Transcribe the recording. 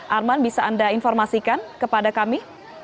arman bisa anda informasikan kepada kami